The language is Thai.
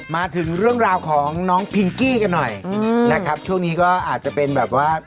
มาถึงเรื่องราวของน้องพิงกี้กันหน่อยนะครับช่วงนี้ก็อาจจะเป็นแบบว่า